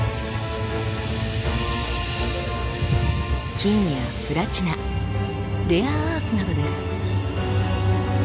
金やプラチナレアアースなどです。